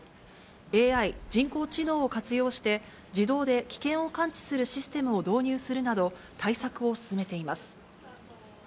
ＡＩ・人工知能を活用して、自動で危険を感知するシステムを導入するなど、対策を進めています。